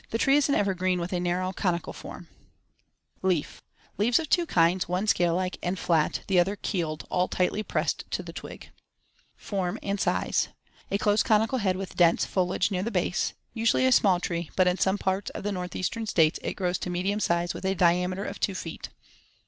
The tree is an evergreen with a narrow conical form. [Illustration: FIG. 13. Twig of the Arbor vitae.] Leaf: Leaves of two kinds, one scale like and flat, the other keeled, all tightly pressed to the twig (see Fig. 13). Form and size: A close, conical head with dense foliage near the base. Usually a small tree, but in some parts of the northeastern States it grows to medium size with a diameter of two feet.